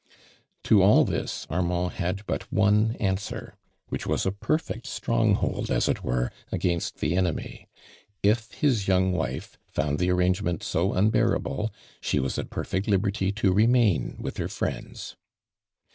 To all this Armand had but one answer, which was a ijerfect stronghold as it were against the enemy. If his young wife found the arrangement so unbearable, she was at perfect liberty to remain with her friends.